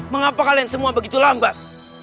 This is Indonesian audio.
mengapa kalian semua begitu lambat